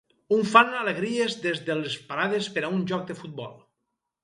Un fan alegries des de les parades per a un joc de futbol.